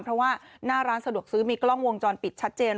เพราะว่าหน้าร้านสะดวกซื้อมีกล้องวงจรปิดชัดเจน